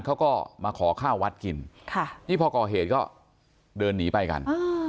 เขาก็มาขอข้าววัดกินค่ะนี่พอก่อเหตุก็เดินหนีไปกัน